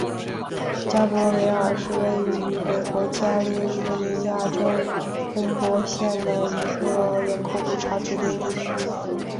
加伯维尔是位于美国加利福尼亚州洪堡县的一个人口普查指定地区。